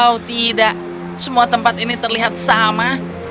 oh tidak semua tempat ini terlihat sama